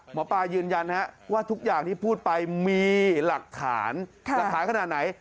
หมอปลายืนยันว่าทุกอย่างที่พูดไปมีหลักฐานหลักฐานขนาดไหน